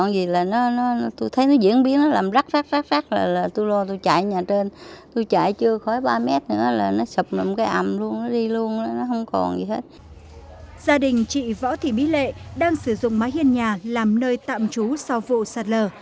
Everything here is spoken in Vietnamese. gia đình chị võ thị mỹ lệ đang sử dụng máy hiên nhà làm nơi tạm trú sau vụ sạt lở